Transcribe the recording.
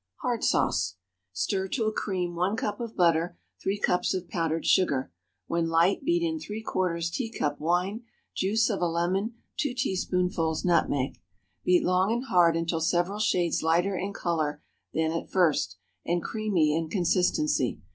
HARD SAUCE. ✠ Stir to a cream 1 cup of butter. 3 cups of powdered sugar. When light, beat in ¾ teacup wine. Juice of a lemon. 2 teaspoonfuls nutmeg. Beat long and hard until several shades lighter in color than at first, and creamy in consistency.